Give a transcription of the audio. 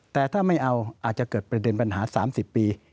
แต่ถ้าไม่เอาอาจจะเกิดประเด็นปัญหา๓๐ปี